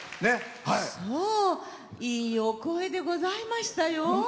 いいお声でございましたよ。